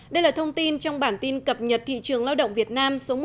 đây là thông tin trong bản tin cập nhật thị trường lao động việt nam số một mươi sáu